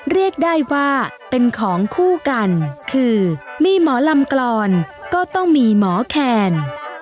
เรียกได้ว่าเป็นของคู่กันคือมีหมอลำกรอนก็ต้องมีหมอแคน